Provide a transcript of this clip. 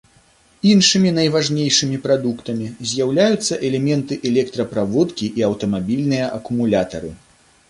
Іншымі найважнейшымі прадуктамі з'яўляюцца элементы электраправодкі і аўтамабільныя акумулятары.